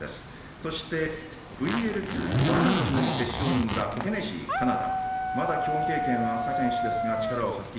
そして、ＶＬ２ヴァーの種目でも決勝に進んだヘネシー、カナダ。